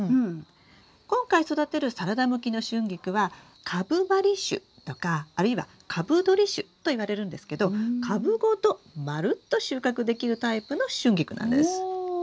今回育てるサラダ向きのシュンギクは「株張り種」とかあるいは「株取り種」といわれるんですけど株ごとまるっと収穫できるタイプのシュンギクなんです。